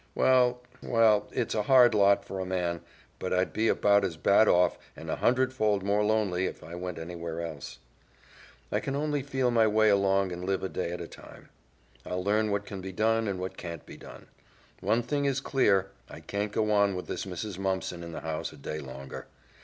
Well, well, it's a hard lot for a man; but I'd be about as bad off, and a hundred fold more lonely, if I went anywhere else. "I can only feel my way along and live a day at a time. I'll learn what can be done and what can't be. One thing is clear: I can't go on with this Mrs. Mumpson in the house a day longer.